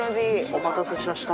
お待たせしました。